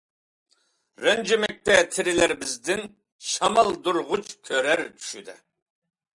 رەنجىمەكتە تېرىلەر بىزدىن شامالدۇرغۇچ كۆرەر چۈشىدە.